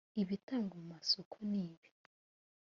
ibitangwa mu masoko nibi